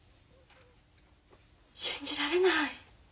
信じられない。